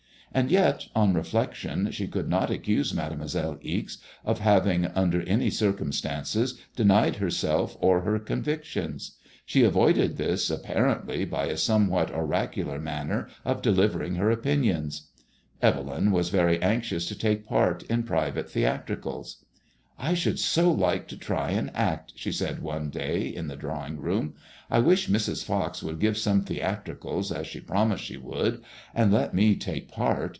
And yet on reflection she could not accuse Mademoiselle Ixe of having under any circumstances denied herself or her convictions. She avoided this, apparently^ by a somewhat oracular manner of delivering her opinions. Evelyn was very anxious to take part in private theatricals. *' I should so like to try and act," she said one day in the drawing room. "I wish Mrs. Fox would give some theatricals as she promised she would, and let me take part.